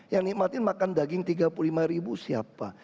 yang nikmatin makan daging tiga puluh lima ribu siapa